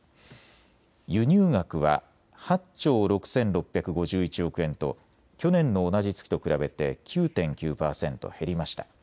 輸入額は８兆６６５１億円と去年の同じ月と比べて９．９％減りました。